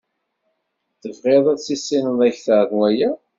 Tebɣiḍ ad tissineḍ akter n waya.